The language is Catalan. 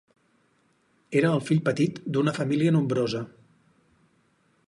Era el fill petit d'una família nombrosa.